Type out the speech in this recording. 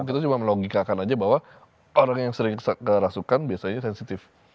kita cuma melogikakan aja bahwa orang yang sering kerasukan biasanya sensitif